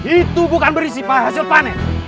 itu bukan berisi hasil panen